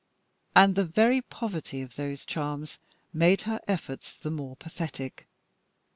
And the very poverty of those charms made her efforts the more pathetic.